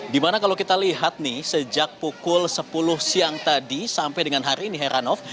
dimana kalau kita lihat nih sejak pukul sepuluh siang tadi sampai dengan hari ini heranov